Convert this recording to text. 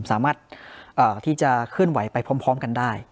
สามารถที่จะเคลื่อนไหวไปพร้อมกันได้